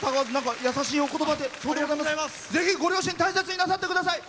ぜひご両親大切になさって下さい。